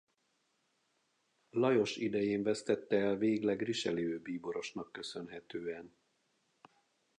Lajos idején vesztette el végleg Richelieu bíborosnak köszönhetően.